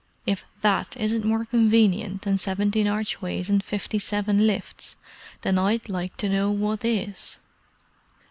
If that isn't more convenient than seventeen archways and fifty seven lifts, then I'd like to know what is!"